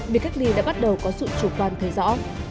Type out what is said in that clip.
việc cách ly đã bắt đầu có sự chủ quan thấy rõ